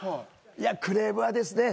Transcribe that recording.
クレームはですね